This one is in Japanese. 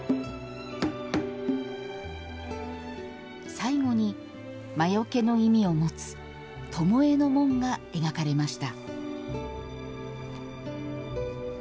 最後に、魔よけの意味を持つ巴の紋が描かれました。